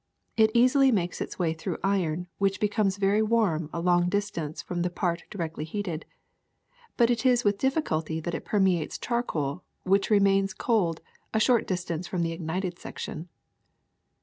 It easily makes its way through iron, which becomes very warm a long dis tance from the part directly heated; but it is With 77 78 THE SECRET OF EVERYDAY THINGS difficulty that it permeates charcoal, which remains cold a short distance from the ignited section.